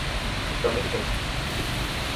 Está muito quente.